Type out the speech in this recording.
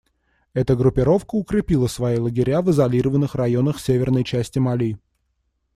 Эта группировка укрепила свои лагеря в изолированных районах северной части Мали.